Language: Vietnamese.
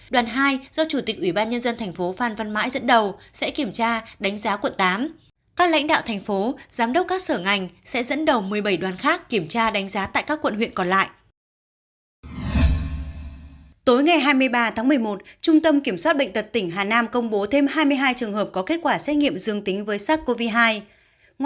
đoàn hai do chủ tịch ubnd thành phố phan văn mãi dẫn đầu sẽ kiểm tra đánh giá quận tám